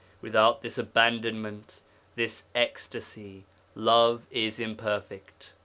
Without this abandonment, this ecstasy, love is imperfect.